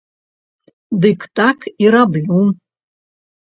Дык так і раблю.